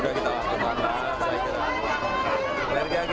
ada simulasi pak